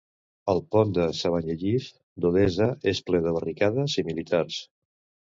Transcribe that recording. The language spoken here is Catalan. El pont de Sabanyeyiv d'Odessa és ple de barricades i militars.